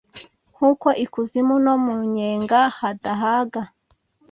Nk’uko ikuzimu no mu nyenga hadahaga